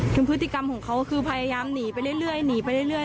คือพฤติกรรมของเขาคือพยายามหนีไปเรื่อย